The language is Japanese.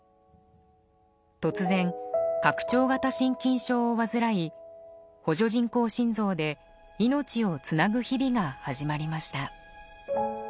突然拡張型心筋症を患い補助人工心臓で命をつなぐ日々が始まりました。